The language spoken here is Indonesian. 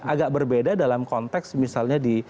agak berbeda dalam konteks misalnya di